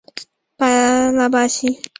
拉巴蒂。